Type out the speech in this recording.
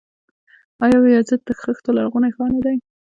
آیا یزد د خښتو لرغونی ښار نه دی؟